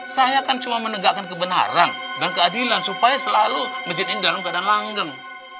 saya kan cuma menegakkan kebenaran dan keadilan supaya selalu masjid ini dalam keadaan langgeng